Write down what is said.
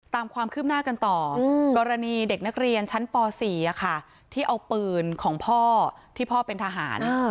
ตามความคืบหน้ากันต่อกรณีเด็กนักเรียนชั้นป๔ที่เอาปืนของพ่อที่พ่อเป็นทหาร